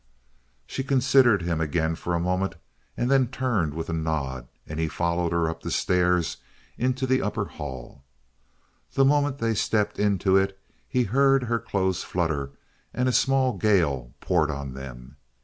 She considered him again for a moment, and then turned with a nod and he followed her up the stairs into the upper hall. The moment they stepped into it he heard her clothes flutter and a small gale poured on them.